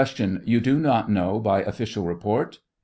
You do not know by official report